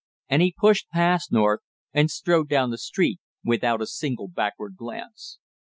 and he pushed past North and strode down the street without a single backward glance.